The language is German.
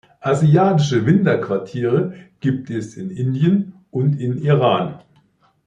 Asiatische Winterquartiere gibt es in Indien und in Iran.